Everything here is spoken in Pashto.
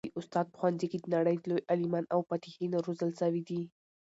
د استاد په ښوونځي کي د نړۍ لوی عالمان او فاتحین روزل سوي دي.